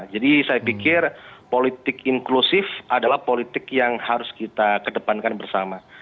jadi saya pikir politik inklusif adalah politik yang harus kita kedepankan bersama